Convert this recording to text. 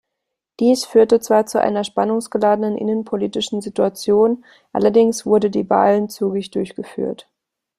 Dies führte zwar zu einer spannungsgeladenen innenpolitischen Situation, allerdings wurde die Wahlen zügig durchgeführt.